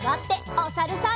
おさるさん。